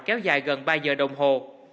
kéo dài gần ba giờ đồng hồ